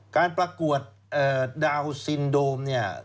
การประกวดดาวน์ซินโดรม